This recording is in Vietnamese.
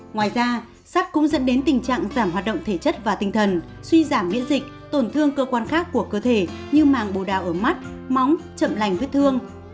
ngoài ra sắt cũng dẫn đến tình trạng giảm hoạt động thể chất và tinh thần suy giảm miễn dịch tổn thương cơ quan khác của cơ thể như màng bồ đào ở mắt móng chậm lành vết thương